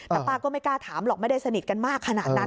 แต่ป้าก็ไม่กล้าถามหรอกไม่ได้สนิทกันมากขนาดนั้น